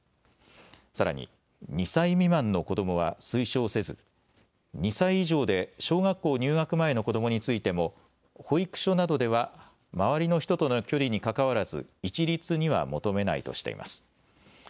さらに２歳未満の子どもは推奨せず、２歳以上で小学校入学前の子どもについても保育所などでは周りの人との距離にかかわらず一律には求めないとしています。